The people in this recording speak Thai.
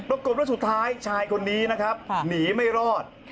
ปรากฏว่าสุดท้ายชายคนนี้นะครับหนีไม่รอด